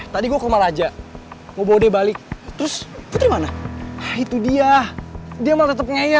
sampai jumpa di video selanjutnya